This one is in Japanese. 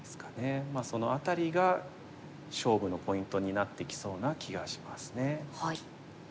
その辺りが勝負のポイントになってきそうな気がしますね。